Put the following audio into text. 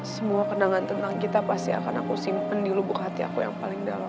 semua kenangan tentang kita pasti akan aku simpen di lubuk hati aku yang paling dalam